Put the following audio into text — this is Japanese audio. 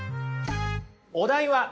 お題はあ。